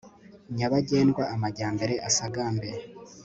nyabagendwa, amajyambere asagambe